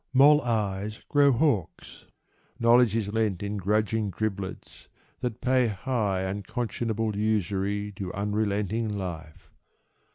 Mole eyes grow hawk's: knowledge is lent In grudging driblets that pay high Unconscionable usury To unrelenting life.